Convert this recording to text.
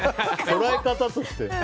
捉え方として。